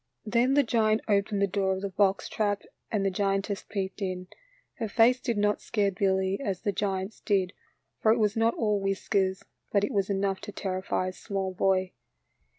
Then the giant opened the door of the box trap and the giantess peeped in. Her face did not scare Billy as the giant's did, for it was not all whiskers, but it was enough to terrify a small boy.